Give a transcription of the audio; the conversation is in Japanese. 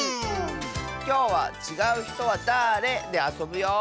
きょうは「ちがうひとはだれ？」であそぶよ！